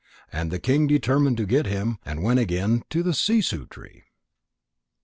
And the king determined to get him, and went again to the sissoo tree.